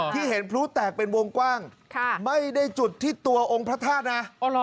ที่เห็นพลุแตกเป็นวงกว้างไม่ได้จุดที่ตัวองค์พระธาตุนะ